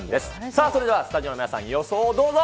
さあそれでは、スタジオの皆さん、予想をどうぞ。